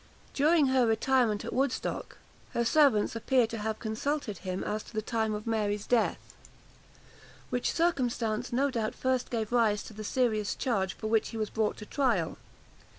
During her retirement at Woodstock, her servants appear to have consulted him as to the time of Mary's death, which circumstance no doubt first gave rise to the serious charge for which he was brought to trial.